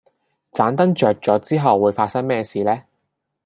盏燈着咗之後會發生咩事呢